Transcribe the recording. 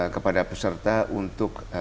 kepada peserta untuk